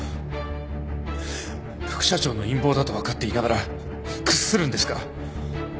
副社長の陰謀だと分かっていながら屈するんですか？